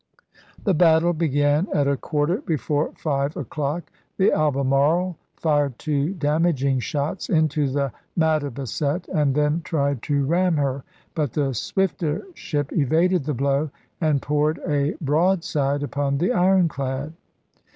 The battle began at a quarter before five o'clock ; the Albemarle fired two damaging shots into the Mattabesett and then tried to ram her, but the swifter ship evaded the blow and poured a broad side upon the ironclad.